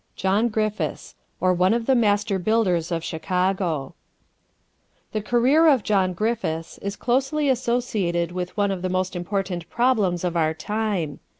JOHN GRIFFITHS; OR, ONE OF THE MASTER BUILDERS OF CHICAGO The career of John Griffiths is closely associated with one of the most important problems of our time.